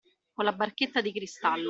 Con la barchetta di cristallo.